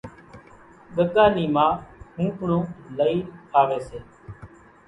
ڳڳا نِي ما ۿوپڙون لئين آوي سي